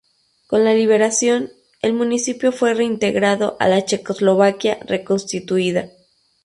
Con la Liberación, el municipio fue reintegrado a la Checoslovaquia reconstituida.